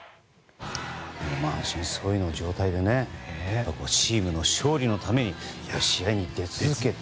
満身創痍の状態でチームの勝利のために試合に出続けて。